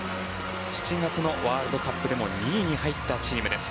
７月のワールドカップでも２位に入ったチームです。